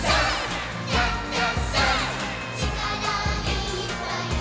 「ちからいっぱい」